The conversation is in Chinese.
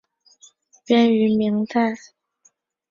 编于明代。